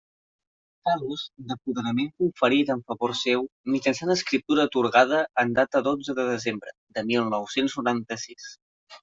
Fa ús d'apoderament conferit en favor seu mitjançant escriptura atorgada en data dotze de desembre de mil nou-cents noranta-sis.